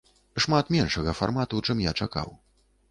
Шмат меншага фармату, чым я чакаў.